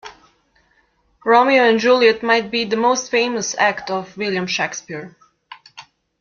Romeo and Juliet might be the most famous act of William Shakespeare.